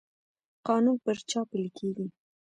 قانون پر چا پلی کیږي؟